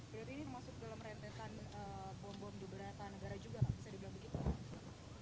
berarti ini masuk dalam rentetan bombom di berata negara juga bisa dibilang begitu